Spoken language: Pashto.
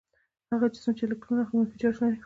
هغه جسم چې الکترون اخلي منفي چارج لري.